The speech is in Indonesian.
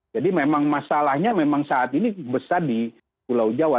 jadi memang masalahnya memang saat ini besar di pulau jawa